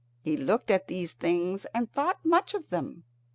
He looked at these things and thought much of them.